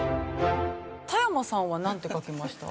田山さんはなんて書きました？